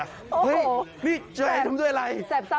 โอ้โหแสบซ้ำแสบซ้อนมากโอ้โหนี่เจ๋งทำด้วยอะไร